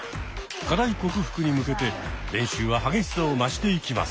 課題克服に向けて練習は激しさを増していきます。